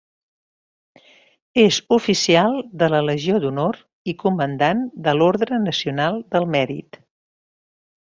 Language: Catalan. És oficial de la Legió d'Honor i comandant de l'Orde Nacional del Mèrit.